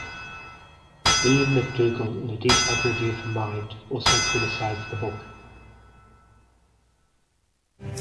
William McDougall in a detailed review for "Mind" also criticized the book.